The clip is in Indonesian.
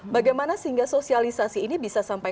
bagaimana sehingga sosialisasi ini bisa sampai